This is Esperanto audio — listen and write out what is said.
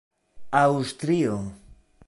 aŭstrio